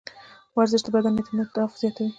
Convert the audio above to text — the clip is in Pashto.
ورزش د بدن انعطاف زیاتوي.